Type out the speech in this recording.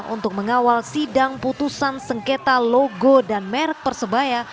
untuk mengawal sidang putusan sengketa logo dan merek persebaya